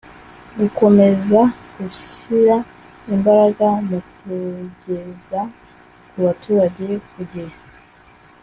gukomeza gushyira imbaraga mu kugeza ku baturage ku gihe